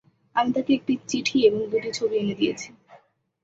আমি তাঁকে একটি চিঠি এবং দুটি ছবি এনে দিয়েছি।